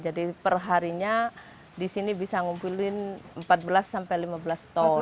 jadi perharinya di sini bisa ngumpulin empat belas sampai lima belas ton